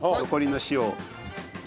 残りの塩を。